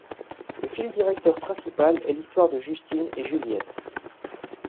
Le fil directeur principal est l'histoire de Justine et Juliette.